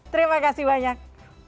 terima kasih banyak